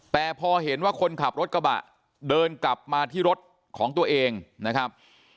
แต่พอเห็นว่าคนขับรถกระบะเดินกลับมาที่รถของตัวเองนะครับ